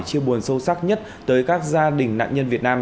chia buồn sâu sắc nhất tới các gia đình nạn nhân việt nam